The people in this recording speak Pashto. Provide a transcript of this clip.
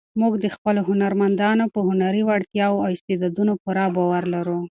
موږ د خپلو هنرمندانو په هنري وړتیاوو او استعدادونو پوره باور لرو.